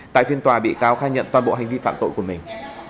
tại phiên tòa bị cáo khai nhận toàn bộ hành vi phạm tội của mình